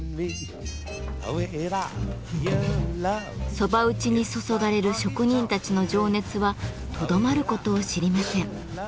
「蕎麦打ち」に注がれる職人たちの情熱はとどまることを知りません。